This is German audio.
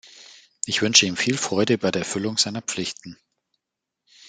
Ich wünsche ihm viel Freude bei der Erfüllung seiner Pflichten.